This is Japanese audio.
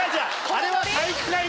あれは。